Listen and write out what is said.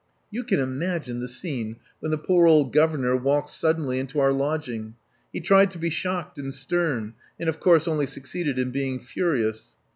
You can imagine the scene when the poor old governor walked suddenly into our lodg ing. He tried to be shocked and stern, and of course only succeeded in being furious.